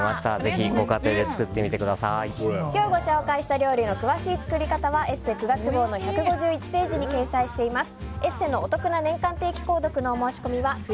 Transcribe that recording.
今日ご紹介した料理の詳しい作り方は「ＥＳＳＥ」９月号の１５１ページに掲載しています。